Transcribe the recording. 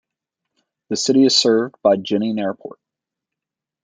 The city is served by Jining Airport.